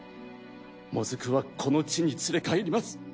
モズクはこの地に連れ帰ります。